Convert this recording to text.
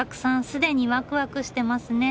すでにワクワクしてますね。